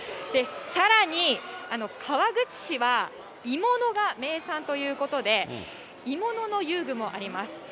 さらに川口市は、鋳物が名産ということで、鋳物の遊具もあります。